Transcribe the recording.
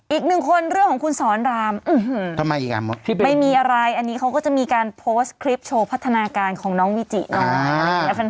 อีกหนึ่งคนเรื่องของคุณสอนรามไม่มีอะไรอันนี้เขาก็จะมีการโพสต์คลิปโชว์พัฒนาการของน้องวิจิน้อง